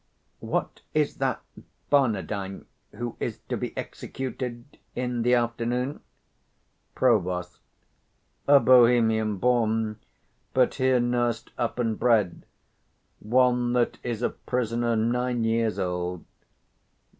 _ What is that Barnardine who is to be executed in the afternoon? Prov. A Bohemian born, but here nursed up and bred; one that is a prisoner nine years old.